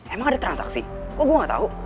emang ada transaksi kok gue gak tau